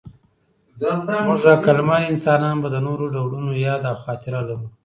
موږ عقلمن انسانان به د نورو ډولونو یاد او خاطره لرو.